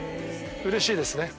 うれしいですね。